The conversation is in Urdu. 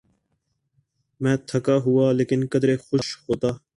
میں تھکا ہوا لیکن قدرے خوش ہوتا۔